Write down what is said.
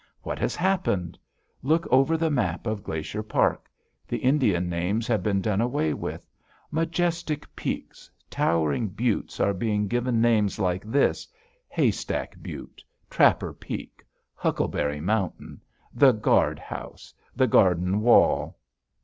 What has happened? Look over the map of Glacier Park. The Indian names have been done away with. Majestic peaks, towering buttes are being given names like this: Haystack Butte, Trapper Peak, Huckleberry Mountain, the Guard House, the Garden Wall.